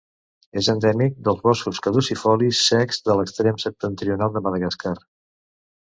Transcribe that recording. És endèmic dels boscos caducifolis secs de l'extrem septentrional de Madagascar.